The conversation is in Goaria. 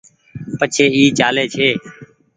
پڇي اي چآلي ڇي۔